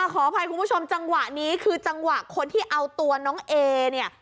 ขออภัยคุณผู้ชมจังหวะนี้คือจังหวะคนที่เอาตัวน้องเอเนี่ย